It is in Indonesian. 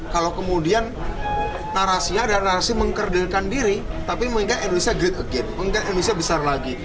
kalau kemudian narasinya adalah narasi mengkerdilkan diri tapi mengingat indonesia great again mengingat indonesia besar lagi